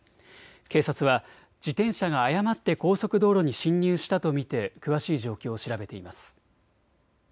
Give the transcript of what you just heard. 警察は自転車が誤って高速道路に進入したと見て詳しい状況を調べています。